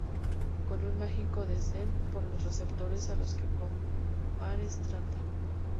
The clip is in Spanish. con un mágico desdén por los receptores a los que como pares trata